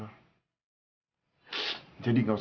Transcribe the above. lalu gimana dengan kamu